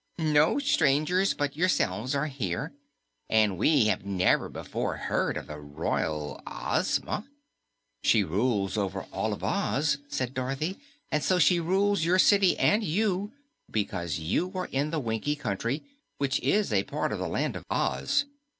No strangers but yourselves are here, and we have never before heard of the Royal Ozma." "She rules over all of Oz," said Dorothy, "and so she rules your city and you, because you are in the Winkie Country, which is a part of the Land of Oz."